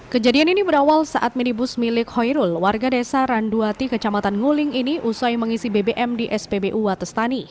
kejadian ini berawal saat minibus milik hoirul warga desa randuati kecamatan nguling ini usai mengisi bbm di spbu watestani